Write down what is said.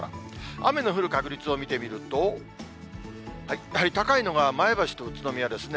雨の降る確率を見てみると、やはり高いのが、前橋と宇都宮ですね。